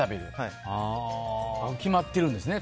決まってるんですね